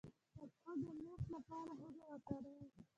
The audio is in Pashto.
د پښو د میخ لپاره هوږه وکاروئ